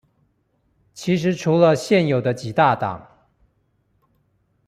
其實除了現有的幾大黨